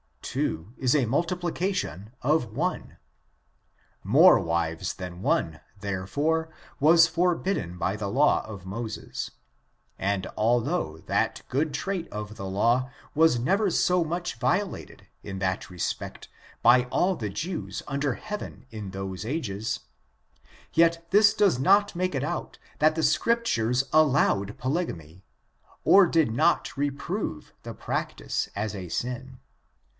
Two is a multiplication of one. More wives than one^ therefore, was forbidden by the law of Moses, and although that good trait of the law was never so much violated in that respect by all the Jews under heaven in those ages, yet this does not make it out that the Scriptures allowed polygamy, or did not re prove the practice as a sin.